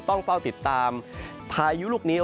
ต้องเฝ้าติดตามพายุลูกนี้